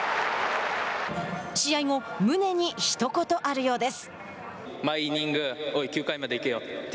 試合後、宗にひと言あるようです。